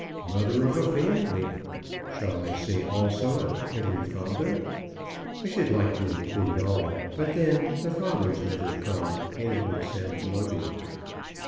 Mother of a Family! Shall I say, also, of every Father? I should like to include all; but then the fathers never come, and it would sound loaded."